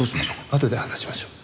あとで話しましょう。